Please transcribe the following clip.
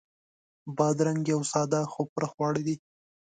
بادرنګ یو ساده خو پوره خواړه دي.